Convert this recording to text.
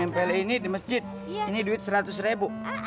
mply ini di masjid ini duit seratus ribu